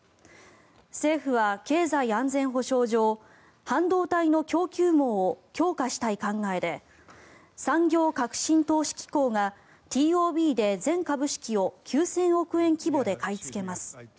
政府は、経済安全保障上半導体の供給網を強化したい考えで産業革新投資機構がＴＯＢで全株式を９０００億円規模で買いつけます。